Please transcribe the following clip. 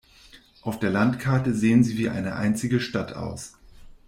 Auf der Landkarte sehen sie wie eine einzige Stadt aus.